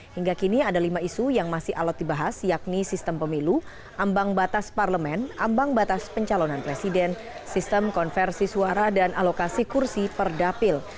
hingga kini ada lima isu yang masih alat dibahas yakni sistem pemilu ambang batas parlemen ambang batas pencalonan presiden sistem konversi suara dan alokasi kursi perdapil